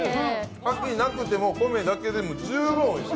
かきなくても米だけでも十分おいしい。